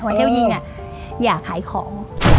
วันที่เท้ายิงอะอย่าขายของ